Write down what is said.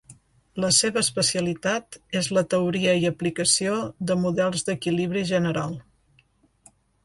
La seva especialitat és la teoria i aplicació de models d'equilibri general.